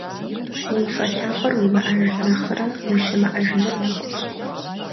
Уи цIэ лъапIэр уимыIэж нэхърэ ущымыIэжыныр нэхъыфIщ.